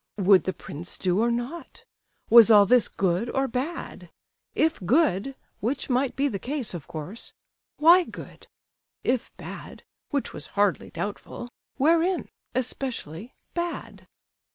Would the prince do or not? Was all this good or bad? If good (which might be the case, of course), why good? If bad (which was hardly doubtful), wherein, especially, bad?